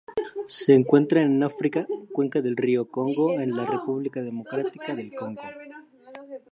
Se encuentran en África: cuenca del río Congo en la República Democrática del Congo.